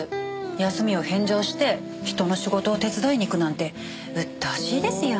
休みを返上して人の仕事を手伝いに行くなんてうっとうしいですよ。